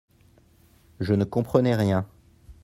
Je ne comprenais rien.